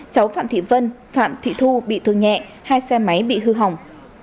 cháu phạm thị vân phạm thị thu bị thương nhẹ hai xe máy bị hư hỏng